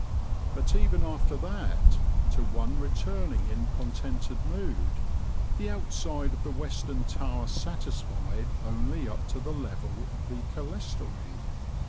But even after that, to one returning in contented mood, the outside of the western tower satisfied only up to the level of the clerestory.